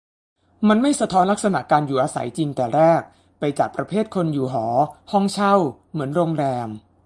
มันไม่สะท้อนลักษณะการอยู่อาศัยจริงแต่แรก ไปจัดประเภทคนอยู่หอ ห้องเช่า เหมือนโรงแรม